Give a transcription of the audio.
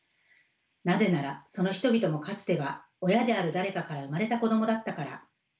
なぜならその人々もかつては親である誰かから生まれた子どもだったから。